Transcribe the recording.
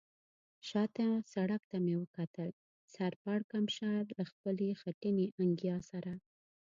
شا ته سړک ته مې وکتل، سر پړکمشر له خپلې خټینې انګیا سره.